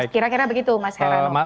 kira kira begitu mas hera